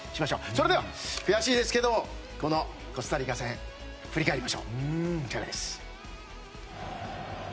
それでは悔しいですけどコスタリカ戦振り返りましょう。